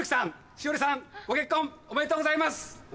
シオリさんご結婚おめでとうございます。